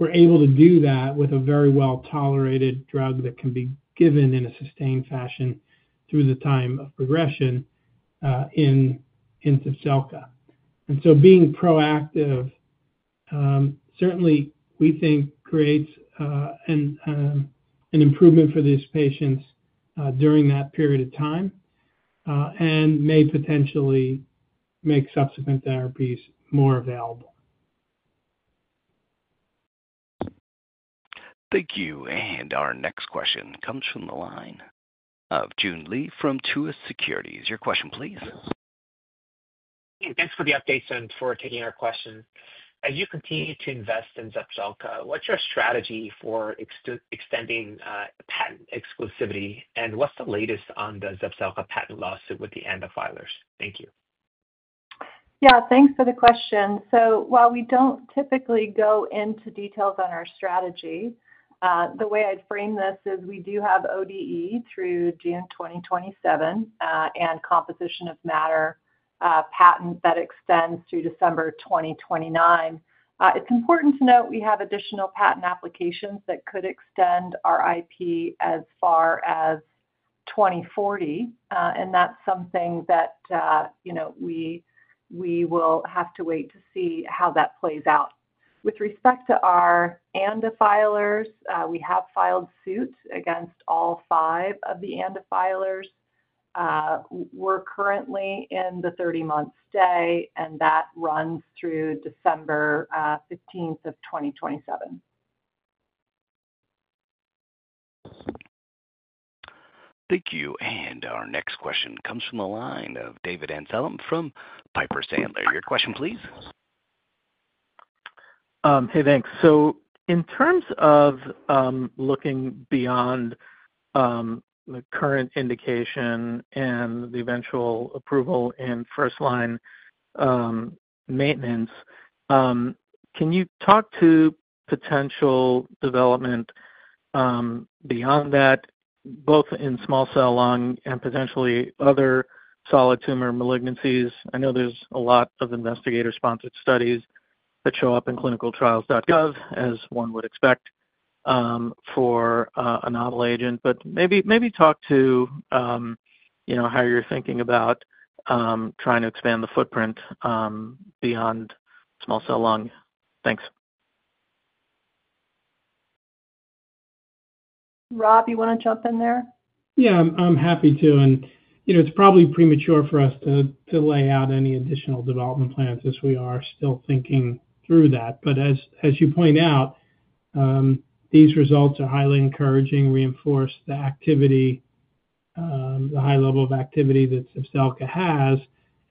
We are able to do that with a very well-tolerated drug that can be given in a sustained fashion through the time of progression in Zepzelca. Being proactive, certainly, we think creates an improvement for these patients during that period of time and may potentially make subsequent therapies more available. Thank you. Our next question comes from the line of Joon Lee from Truist Securities. Your question, please. Hey, thanks for the updates and for taking our question. As you continue to invest in Zepzelca, what's your strategy for extending patent exclusivity? What's the latest on the Zepzelca patent lawsuit with the ANDA filers? Thank you. Yeah. Thanks for the question. While we do not typically go into details on our strategy, the way I'd frame this is we do have ODE through June 2027 and composition of matter patent that extends through December 2029. It's important to note we have additional patent applications that could extend our IP as far as 2040. That's something that we will have to wait to see how that plays out. With respect to our ANDA filers, we have filed suit against all five of the ANDA filers. We're currently in the 30-month stay, and that runs through December 15th of 2027. Thank you. Our next question comes from the line of David Amsellem from Piper Sandler. Your question, please. Hey, thanks. In terms of looking beyond the current indication and the eventual approval in first-line maintenance, can you talk to potential development beyond that, both in small cell lung and potentially other solid tumor malignancies? I know there's a lot of investigator-sponsored studies that show up in clinicaltrials.gov, as one would expect for a novel agent. Maybe talk to how you're thinking about trying to expand the footprint beyond small cell lung. Thanks. Rob, you want to jump in there? Yeah. I'm happy to. It's probably premature for us to lay out any additional development plans as we are still thinking through that. As you point out, these results are highly encouraging, reinforce the activity, the high level of activity that Zepzelca has,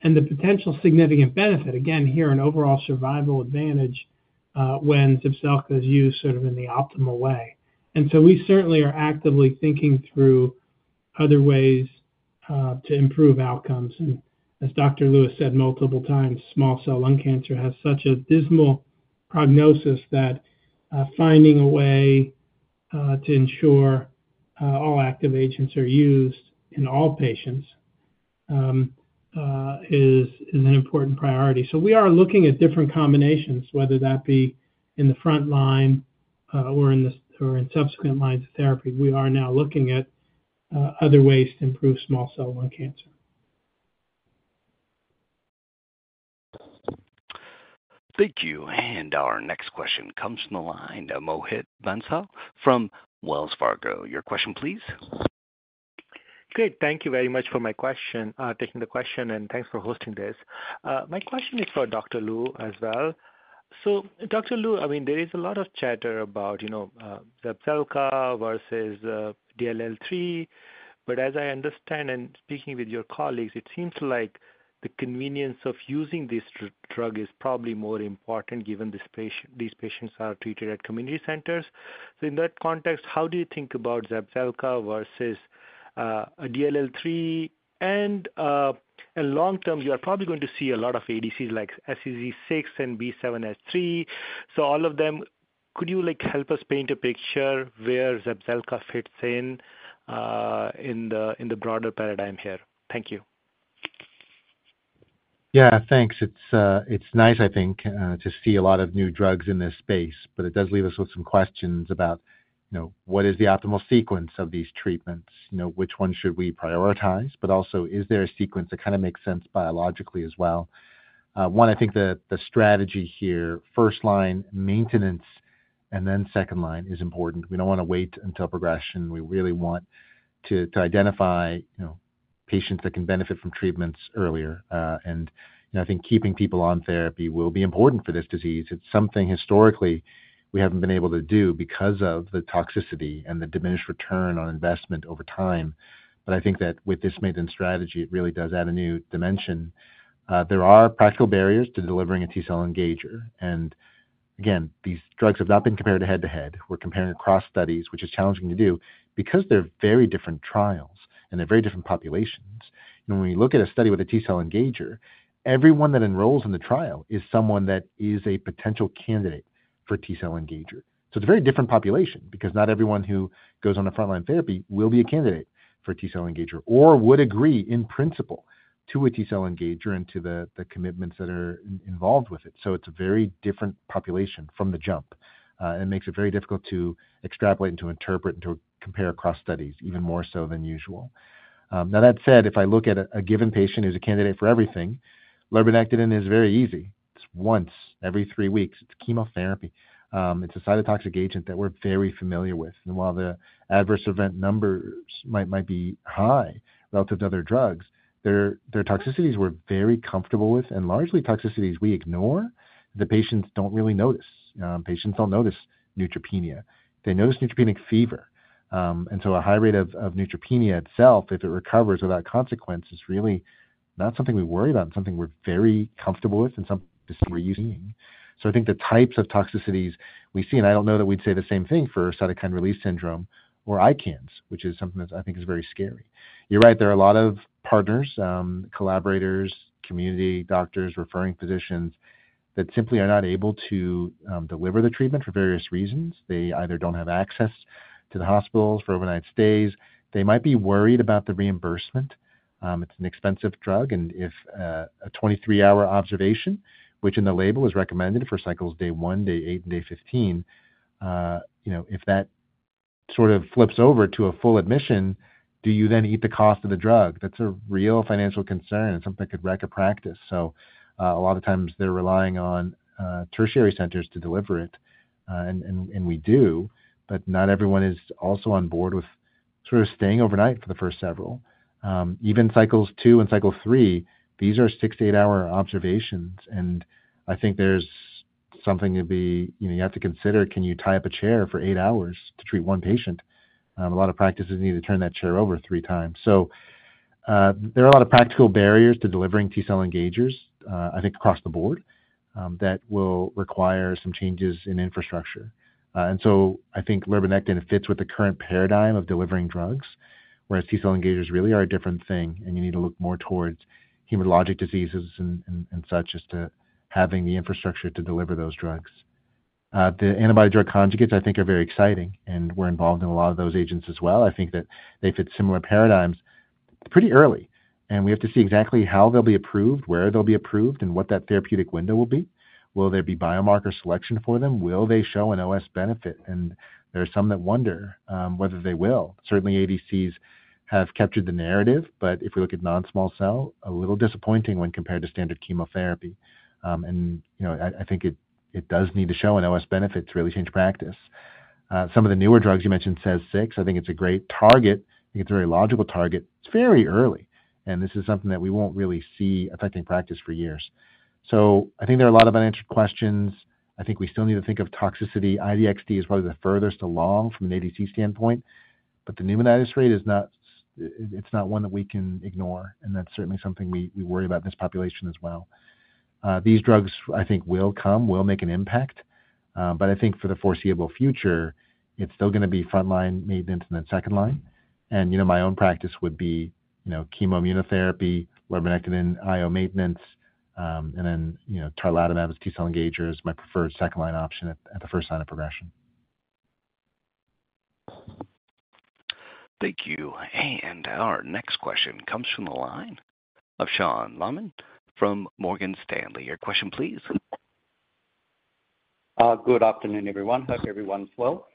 and the potential significant benefit, again, here, an overall survival advantage when Zepzelca is used sort of in the optimal way. We certainly are actively thinking through other ways to improve outcomes. As Dr. Liu has said multiple times, small cell lung cancer has such a dismal prognosis that finding a way to ensure all active agents are used in all patients is an important priority. We are looking at different combinations, whether that be in the front line or in subsequent lines of therapy. We are now looking at other ways to improve small cell lung cancer. Thank you. Our next question comes from the line of Mohit Bansal from Wells Fargo. Your question, please. Great. Thank you very much for my question, taking the question, and thanks for hosting this. My question is for Dr. Liu as well. Dr. Liu, I mean, there is a lot of chatter about Zepzelca versus DLL3. As I understand and speaking with your colleagues, it seems like the convenience of using this drug is probably more important given these patients are treated at community centers. In that context, how do you think about Zepzelca versus a DLL3? Long-term, you are probably going to see a lot of ADCs like SCZ6 and B7S3. All of them, could you help us paint a picture where Zepzelca fits in in the broader paradigm here? Thank you. Yeah. Thanks. It's nice, I think, to see a lot of new drugs in this space. It does leave us with some questions about what is the optimal sequence of these treatments? Which one should we prioritize? Also, is there a sequence that kind of makes sense biologically as well? One, I think the strategy here, first-line maintenance and then second-line, is important. We don't want to wait until progression. We really want to identify patients that can benefit from treatments earlier. I think keeping people on therapy will be important for this disease. It's something historically we haven't been able to do because of the toxicity and the diminished return on investment over time. I think that with this maintenance strategy, it really does add a new dimension. There are practical barriers to delivering a T-cell engager. These drugs have not been compared head-to-head. We are comparing across studies, which is challenging to do because they are very different trials and they are very different populations. When we look at a study with a T-cell engager, everyone that enrolls in the trial is someone that is a potential candidate for T-cell engager. It is a very different population because not everyone who goes on a front-line therapy will be a candidate for T-cell engager or would agree in principle to a T-cell engager and to the commitments that are involved with it. It is a very different population from the jump. It makes it very difficult to extrapolate and to interpret and to compare across studies, even more so than usual. That said, if I look at a given patient who is a candidate for everything, lurbinectedin is very easy. It is once every three weeks. It's chemotherapy. It's a cytotoxic agent that we're very familiar with. While the adverse event numbers might be high relative to other drugs, they're toxicities we're very comfortable with and largely toxicities we ignore. The patients don't really notice. Patients don't notice neutropenia. They notice neutropenic fever. A high rate of neutropenia itself, if it recovers without consequence, is really not something we worry about and something we're very comfortable with and something we're used to seeing. I think the types of toxicities we see—I don't know that we'd say the same thing for cytokine release syndrome or ICANS, which is something that I think is very scary—you're right, there are a lot of partners, collaborators, community doctors, referring physicians that simply are not able to deliver the treatment for various reasons. They either don't have access to the hospitals for overnight stays. They might be worried about the reimbursement. It's an expensive drug. If a 23-hour observation, which in the label is recommended for cycles day one, day eight, and day 15, if that sort of flips over to a full admission, do you then eat the cost of the drug? That's a real financial concern and something that could wreck a practice. A lot of times, they're relying on tertiary centers to deliver it. We do. Not everyone is also on board with sort of staying overnight for the first several. Even cycles two and cycle three, these are six to eight-hour observations. I think there's something to be—you have to consider, can you tie up a chair for eight hours to treat one patient? A lot of practices need to turn that chair over three times. There are a lot of practical barriers to delivering T-cell engagers, I think, across the board that will require some changes in infrastructure. I think lurbinectedin fits with the current paradigm of delivering drugs, whereas T-cell engagers really are a different thing. You need to look more towards hematologic diseases and such as to having the infrastructure to deliver those drugs. The antibody-drug conjugates, I think, are very exciting. We are involved in a lot of those agents as well. I think that they fit similar paradigms pretty early. We have to see exactly how they will be approved, where they will be approved, and what that therapeutic window will be. Will there be biomarker selection for them? Will they show an OS benefit? There are some that wonder whether they will. Certainly, ADCs have captured the narrative. If we look at non-small cell, a little disappointing when compared to standard chemotherapy. I think it does need to show an OS benefit to really change practice. Some of the newer drugs you mentioned, CEZ6, I think it is a great target. I think it is a very logical target. It is very early. This is something that we will not really see affecting practice for years. I think there are a lot of unanswered questions. I think we still need to think of toxicity. IVXD is probably the furthest along from an ADC standpoint. The pneumonitis rate, it is not one that we can ignore. That is certainly something we worry about in this population as well. These drugs, I think, will come, will make an impact. I think for the foreseeable future, it is still going to be front-line maintenance and then second-line. My own practice would be chemoimmunotherapy, lurbinectedin, IO maintenance, and then tarlatamab with T-cell engagers, my preferred second-line option at the first line of progression. Thank you. Our next question comes from the line of Sean Laaman from Morgan Stanley. Your question, please. Good afternoon, everyone. Hope everyone's well.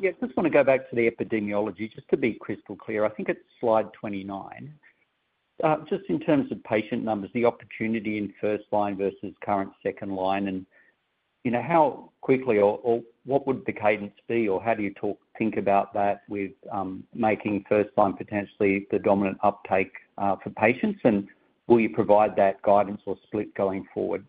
Yeah, I just want to go back to the epidemiology just to be crystal clear. I think it's slide 29. Just in terms of patient numbers, the opportunity in first-line versus current second-line, and how quickly or what would the cadence be? How do you think about that with making first-line potentially the dominant uptake for patients? Will you provide that guidance or split going forward?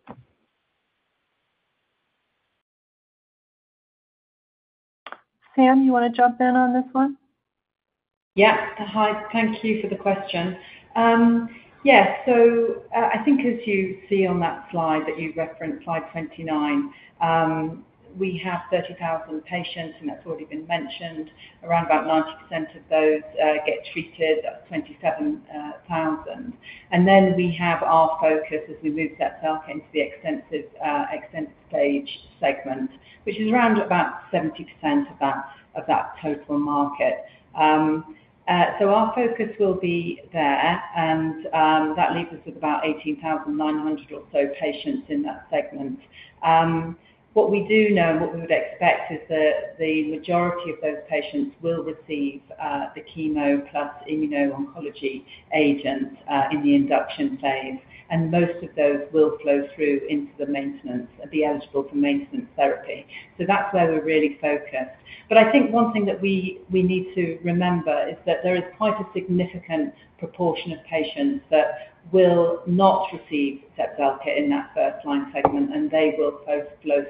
Sam, you want to jump in on this one? Yeah. Hi. Thank you for the question. Yeah. I think as you see on that slide that you referenced, slide 29, we have 30,000 patients, and that's already been mentioned. Around 90% of those get treated, that's 27,000. We have our focus as we move that cell into the extensive-stage segment, which is around 70% of that total market. Our focus will be there. That leaves us with about 18,900 or so patients in that segment. What we do know and what we would expect is that the majority of those patients will receive the chemo plus immuno-oncology agent in the induction phase. Most of those will flow through into the maintenance and be eligible for maintenance therapy. That's where we're really focused. I think one thing that we need to remember is that there is quite a significant proportion of patients that will not receive Zepzelca in that first-line segment, and they will flow through,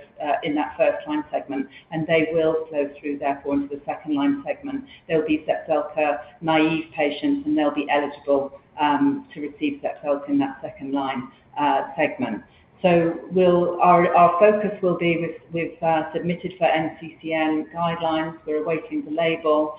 therefore, into the second-line segment. There will be Zepzelca naive patients, and they'll be eligible to receive Zepzelca in that second-line segment. Our focus will be with submitted for NCCN guidelines. We're awaiting the label.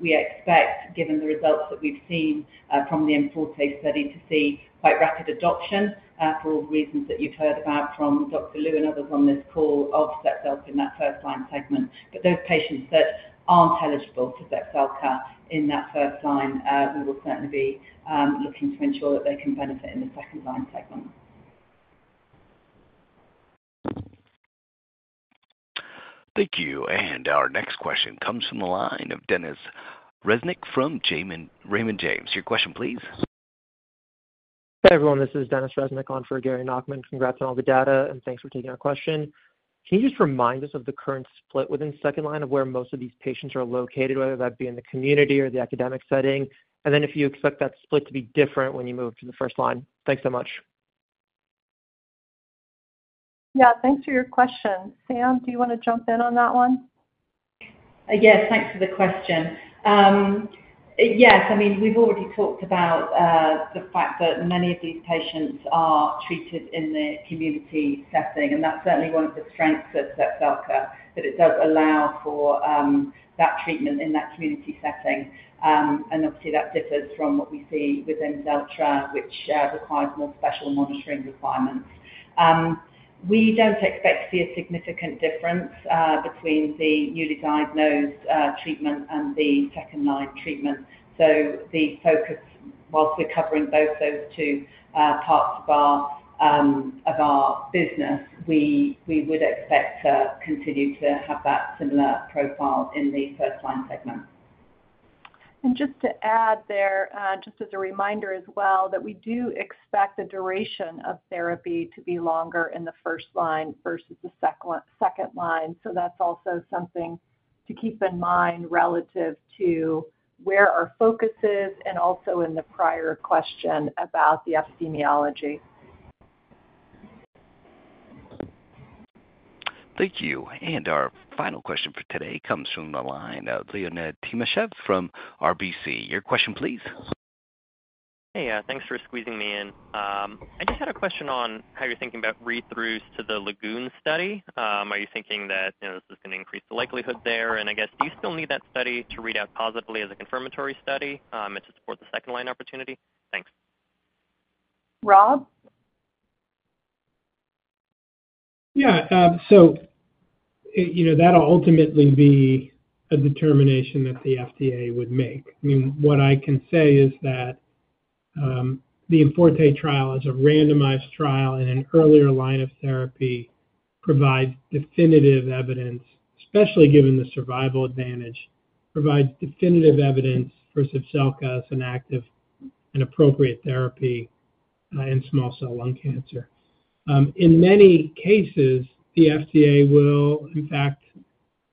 We expect, given the results that we've seen from the IMforte study, to see quite rapid adoption for all the reasons that you've heard about from Dr. Liu and others on this call of Zepzelca in that first-line segment. Those patients that aren't eligible for Zepzelca in that first-line, we will certainly be looking to ensure that they can benefit in the second-line segment. Thank you. Our next question comes from the line of Dennis Resnick from Raymond James. Your question, please. Hi everyone. This is Dennis Resnick on for Gary Nackman. Congrats on all the data, and thanks for taking our question. Can you just remind us of the current split within second-line of where most of these patients are located, whether that be in the community or the academic setting? If you expect that split to be different when you move to the first-line. Thanks so much. Yeah. Thanks for your question. Sam, do you want to jump in on that one? Yes. Thanks for the question. Yes. I mean, we've already talked about the fact that many of these patients are treated in the community setting. That's certainly one of the strengths of Zepzelca, that it does allow for that treatment in that community setting. Obviously, that differs from what we see with Imdelltra, which requires more special monitoring requirements. We don't expect to see a significant difference between the newly diagnosed treatment and the second-line treatment. The focus, whilst we're covering both those two parts of our business, we would expect to continue to have that similar profile in the first-line segment. Just to add there, just as a reminder as well, we do expect the duration of therapy to be longer in the first-line versus the second-line. That is also something to keep in mind relative to where our focus is and also in the prior question about the epidemiology. Thank you. Our final question for today comes from the line of Leonid Timashev from RBC. Your question, please. Hey. Thanks for squeezing me in. I just had a question on how you're thinking about read-throughs to the LAGOON study. Are you thinking that this is going to increase the likelihood there? I guess, do you still need that study to read out positively as a confirmatory study and to support the second-line opportunity? Thanks. Rob? Yeah. So that'll ultimately be a determination that the FDA would make. I mean, what I can say is that the IMforte trial is a randomized trial, and an earlier line of therapy provides definitive evidence, especially given the survival advantage, provides definitive evidence for Zepzelca as an active and appropriate therapy in small cell lung cancer. In many cases, the FDA will, in fact,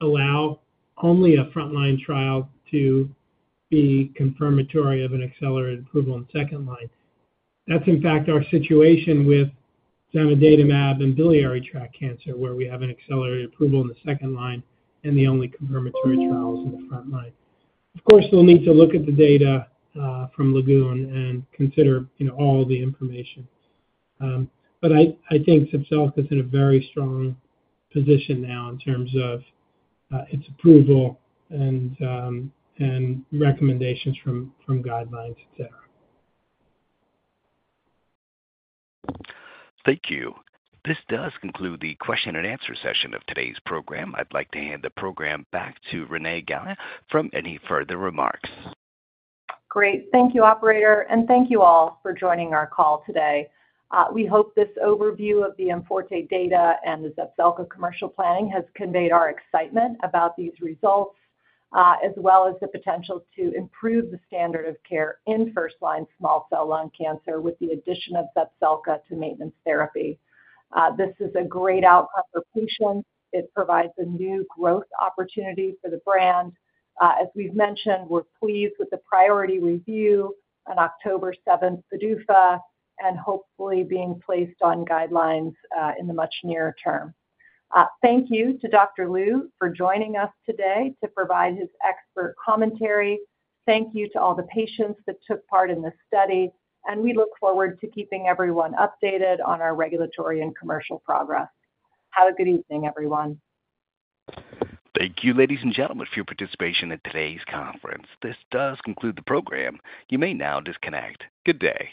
allow only a front-line trial to be confirmatory of an accelerated approval in the second-line. That's, in fact, our situation with Zanidatamab in biliary tract cancer, where we have an accelerated approval in the second-line, and the only confirmatory trial is in the front-line. Of course, we'll need to look at the data from LAGOON and consider all the information. But I think Zepzelca is in a very strong position now in terms of its approval and recommendations from guidelines, etc. Thank you. This does conclude the question-and-answer session of today's program. I'd like to hand the program back to Renee Gala for any further remarks. Great. Thank you, operator. Thank you all for joining our call today. We hope this overview of the IMforte data and the Zepzelca commercial planning has conveyed our excitement about these results, as well as the potential to improve the standard of care in first-line small cell lung cancer with the addition of Zepzelca to maintenance therapy. This is a great outcome for patients. It provides a new growth opportunity for the brand. As we have mentioned, we are pleased with the priority review on October 7th, PDUFA, and hopefully being placed on guidelines in the much nearer term. Thank you to Dr. Liu for joining us today to provide his expert commentary. Thank you to all the patients that took part in this study. We look forward to keeping everyone updated on our regulatory and commercial progress. Have a good evening, everyone. Thank you, ladies and gentlemen, for your participation in today's conference. This does conclude the program. You may now disconnect. Good day.